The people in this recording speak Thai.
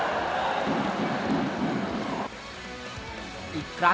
สวัสดีครับ